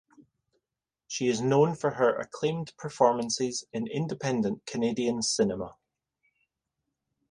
She is known for her acclaimed performances in independent Canadian cinema.